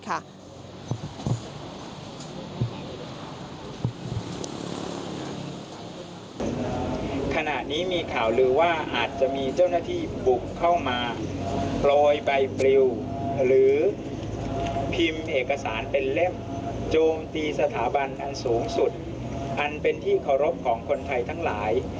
เป็นเล่มโจมตีสถาบันอันสูงสุดอันเป็นที่เคารพของคนไทยทั้งหลาย